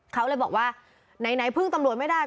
เขาเลยบอกว่าไหนพึ่งตำรวจไม่ได้